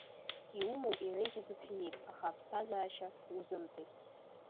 Иумоу иреиӷьыз уҭиит, аха аԥсҭазаашьа узымҵеит…